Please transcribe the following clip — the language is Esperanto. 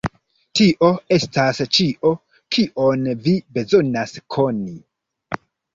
Tio estas ĉio kion vi bezonas koni.